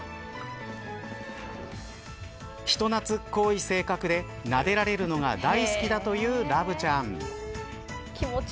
人懐っこい性格でなでられるのが大好きだというラブちゃん。